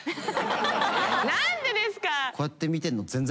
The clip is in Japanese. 何でですか！